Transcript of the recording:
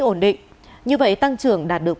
ổn định như vậy tăng trưởng đạt được